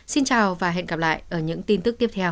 xin chào và hẹn gặp lại ở những tin tức tiếp theo